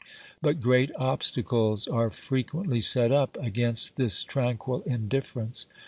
But great obstacles are frequently set up against this tranquil indifference.